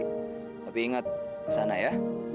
tapi ingat ke sana ya